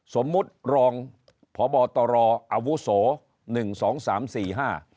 สมมุติรองพบตรออาวุโสหนึ่งสองสามสี่ห้า